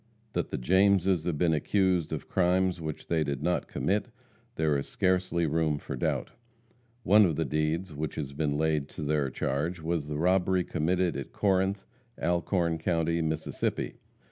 That the Jameses have been accused of crimes which they did not commit, there is scarcely room for doubt. One of the deeds which has been laid to their charge was the robbery committed at Corinth, Alcorn county, Mississippi.